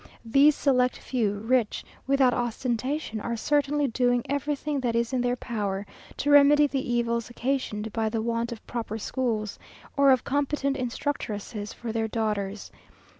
These select few, rich without ostentation, are certainly doing everything that is in their power to remedy the evils occasioned by the want of proper schools, or of competent instructresses for their daughters.